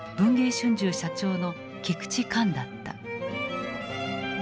春秋社長の菊池寛だった。